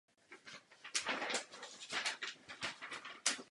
Nebude nová institucionální konference.